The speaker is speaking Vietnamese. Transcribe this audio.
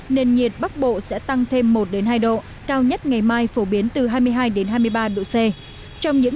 nền nhiệt bắc bộ sẽ tăng thêm một hai độ cao nhất ngày mai phổ biến từ hai mươi hai hai mươi ba độ c